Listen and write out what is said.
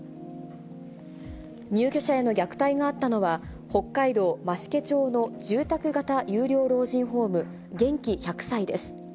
入居者への虐待があったのは、北海道増毛町の住宅型有料老人ホーム、元気１００才！です。